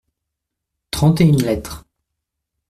Trente et une lettres.